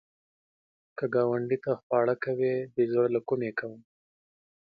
که ګاونډي ته خواړه کوې، د زړه له کومي کوه